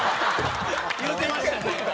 言うてましたよね。